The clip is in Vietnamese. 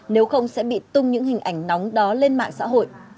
nếu không sẽ bị tung những hình ảnh nóng đó lên mạng xã hội